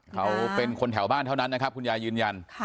เขาเป็นคนแถวบ้านเท่านั้นนะครับคุณยายยืนยัน